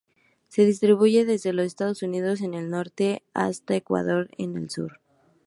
Se distribuye desde los Estados Unidos en el norte hasta Ecuador en el sur.